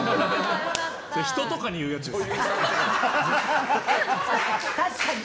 それ、人とかに言うやつです。